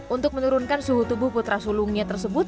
untuk menurunkan suhu tubuh putra sulungnya tersebut